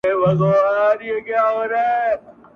نه لحاظ کړي د قاضیانو کوټوالانو؛